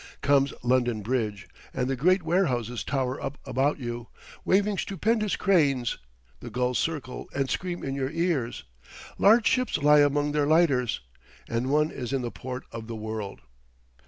Comes London Bridge, and the great warehouses tower up about you, waving stupendous cranes, the gulls circle and scream in your ears, large ships lie among their lighters, and one is in the port of the world.